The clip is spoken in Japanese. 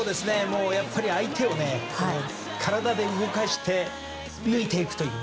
やっぱり相手を体で動かして抜いていくという。